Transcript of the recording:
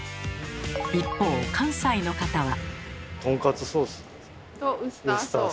一方関西の方は。